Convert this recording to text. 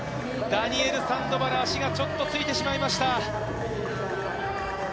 ダニエル・サンドバル、足がちょっとついてしまいました。